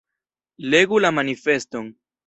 Legu la manifeston.